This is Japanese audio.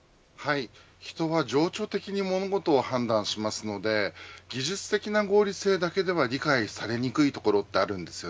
人は情緒的に物事を判断しますので技術的な合理性だけでは理解されにくいところがあります。